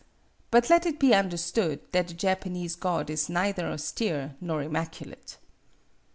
But let it be understood that a Japanese god is neither austere nor immaculate.